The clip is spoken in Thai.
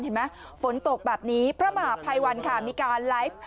เห็นไหมฝนตกแบบนี้พระมหาภัยวันค่ะมีการไลฟ์